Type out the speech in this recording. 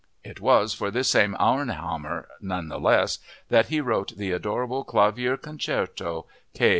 '" It was for this same Aurnhammer, nonetheless, that he wrote the adorable clavier concerto, K.